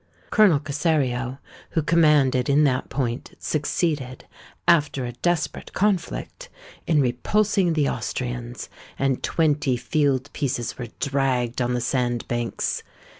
Colonel Cossario, who commanded in that point, succeeded, after a desperate conflict, in repulsing the Austrians; and twenty field pieces were dragged on the sand banks.